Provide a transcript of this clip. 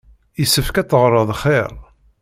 Yessefk ad teɣreḍ xir.